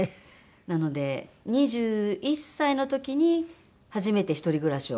なので２１歳の時に初めて一人暮らしを。